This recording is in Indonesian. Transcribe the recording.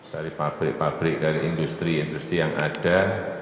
dari pabrik pabrik dari industri industri yang ada